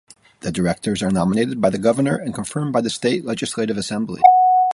The directors are nominated by the Governor and confirmed by the state legislative assembly.